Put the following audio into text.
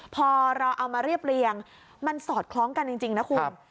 พอเราเอามาเรียบเรียงมันสอดคล้องกันจริงนะคุณ